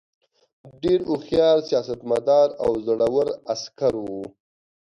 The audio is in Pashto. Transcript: ډېر هوښیار سیاستمدار او زړه ور عسکر وو.